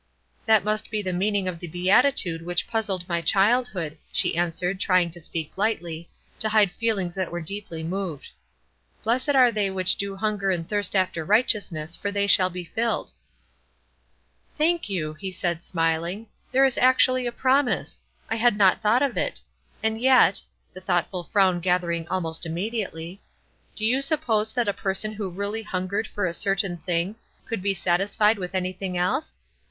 "That must be the meaning of the beatitude which puzzled my childhood," she answered trying to speak lightly, to hide feelings that were deeply moved: "Blessed are they which do hunger and thirst after righteousness, for they shall be filled." "Thank you," he said, smiling; "there is actually a promise! I had not thought of it. And yet" the thoughtful frown gathering almost immediately "do you suppose that a person who really hungered for a certain thing could be satisfied with anything else?